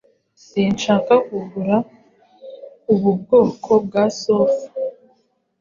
Sinshaka kugura ubu bwoko bwa sofa.